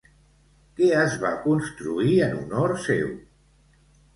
Què es va construir en honor seu?